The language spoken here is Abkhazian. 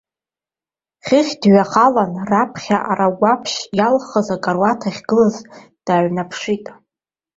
Хыхь дыҩхалан, раԥхьа арагәаԥшь иалхыз акаруаҭ ахьгылаз дныҩнаԥшит.